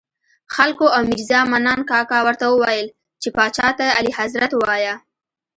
خلکو او میرزا منان کاکا ورته ویل چې پاچا ته اعلیحضرت ووایه.